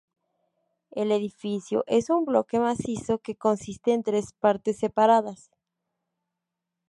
El edificio es un bloque macizo que consiste en tres partes separadas.